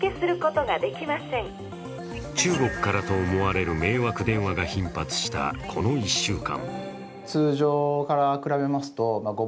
中国からと思われる迷惑電話が頻発したこの１週間。